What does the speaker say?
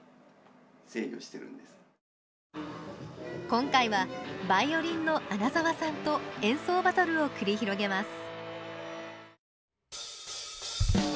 今回はバイオリンの穴澤さんと演奏バトルを繰り広げます。